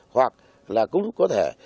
hoặc là cũng có thể